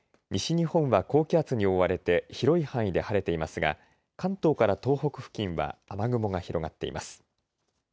西日本は高気圧に覆われて広い範囲で晴れていますが関東から東北付近は雨雲が広がっています。